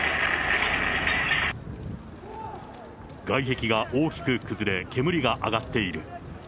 外壁が大きく崩れ、煙が上がっている。